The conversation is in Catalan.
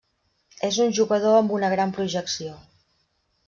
És un jugador amb una gran projecció.